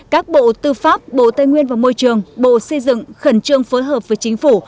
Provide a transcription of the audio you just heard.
các bộ tư pháp bộ tây nguyên và môi trường bộ xây dựng khẩn trương phối hợp với chính phủ